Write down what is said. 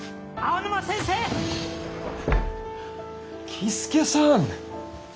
僖助さん！